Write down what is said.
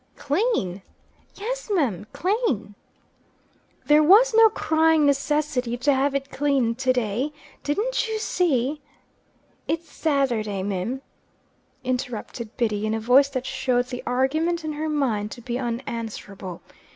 "Clean!" "Yes, mim, clane." "There was no crying necessity to have it clean to day. Didn't you see " "It's Sathurday, mim," interrupted Biddy, in a voice that showed the argument in her mind to be unanswerable.